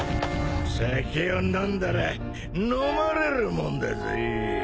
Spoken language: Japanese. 酒は飲んだらのまれるもんだぜ。